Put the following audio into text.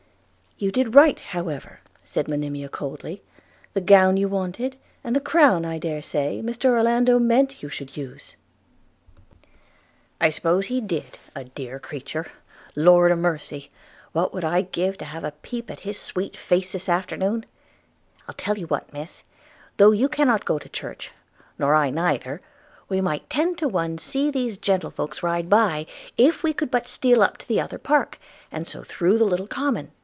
'You did right, however,' said Monimia coldly; 'the gown you wanted, and the crown, I dare say, Mr Orlando meant you should use.' 'I suppose he did, a dear sweet creature! – Lord a mercy! what would I give to have a peep at his sweet face this afternoon! I'll tell you what, Miss, though you cannot go to church, nor I neither, we might ten to one see these gentlefolks ride by, if we could but steal up to the upper park, and so through the little common.